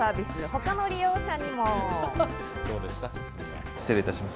他の利用者にも。